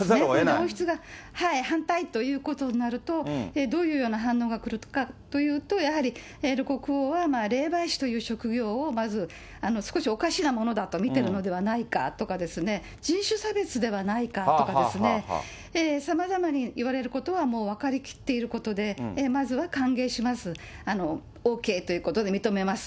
王室が反対ということになると、どういうような反応がくるかというと、やはりハーラル国王は霊媒師という職業を、まず、少しおかしなものだと見てるのではないかとかですね、人種差別ではないかとかですね、さまざまに言われることはもう分かりきっていることで、まずは歓迎します、ＯＫということで認めます。